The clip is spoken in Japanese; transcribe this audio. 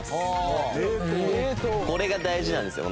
これが大事なんですよ。